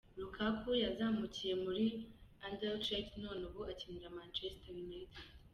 Lukaku yazamukiye muri Anderlecht none ubu akinira Manchester United.